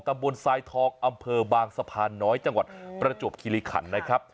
บนทรายทองอำเภอบางสะพานน้อยจังหวัดประจวบคิริขันนะครับ